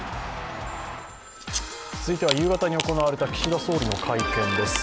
続いては夕方に行われた岸田総理の会見です。